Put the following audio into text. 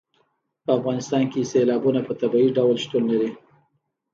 په افغانستان کې سیلابونه په طبیعي ډول شتون لري.